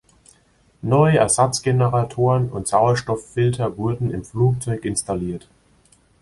Neue Ersatzgeneratoren und Sauerstofffilter wurden im Flugzeug installiert.